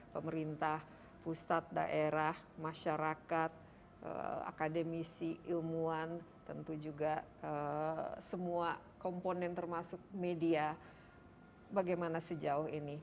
pemerintah pusat daerah masyarakat akademisi ilmuwan tentu juga semua komponen termasuk media bagaimana sejauh ini